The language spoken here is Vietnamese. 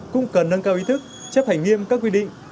cũng cần nâng cao ý thức chấp hành nghiêm các quy định